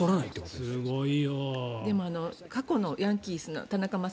でも、過去のヤンキースの田中将大